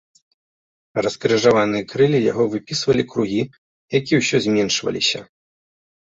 Раскрыжаваныя крыллі яго выпісвалі кругі, якія ўсё зменшваліся.